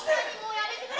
やめてくれ。